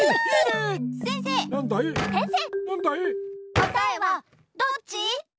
こたえはどっち？